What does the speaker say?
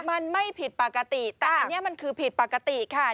มันไม่ผิดปกติแต่อันนี้มันคือผิดปกติค่ะ